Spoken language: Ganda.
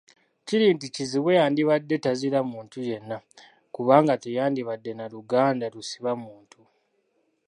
Kiri nti kizibwe yandibadde tazira muntu yenna, kubanga teyandibadde na luganda lusiba muntu.